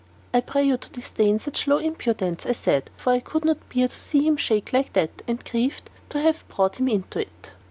"I pray you to disdain such low impudence," I said, for I could not bear to see him shake like that, and grieved to have brought him into it.